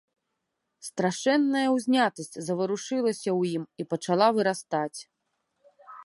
Страшэнная ўзнятасць заварушылася ў ім і пачала вырастаць.